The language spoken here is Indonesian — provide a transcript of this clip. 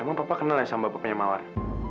emang papa kenal ya sama bapaknya mawar